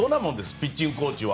ピッチングコーチは。